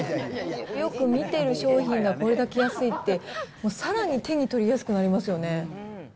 よく見てる商品がこれだけ安いって、もうさらに手に取りやすくなりますよね。